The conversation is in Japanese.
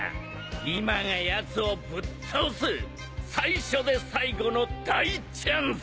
今がやつをぶっ倒す最初で最後の大チャンス